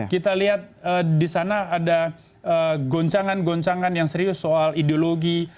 kita lihat di sana ada goncangan goncangan yang serius soal ideologi